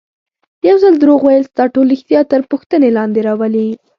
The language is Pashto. یو ځل دروغ ویل ستا ټول ریښتیا تر پوښتنې لاندې راولي.